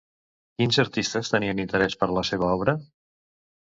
Quins artistes tenien interès per la seva obra?